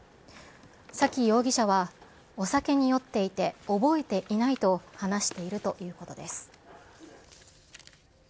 崎容疑者は、お酒に酔っていて、覚えていないと話しているということです。